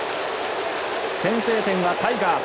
先制点はタイガース。